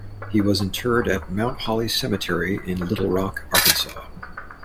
He was interred at Mount Holly Cemetery in Little Rock, Arkansas.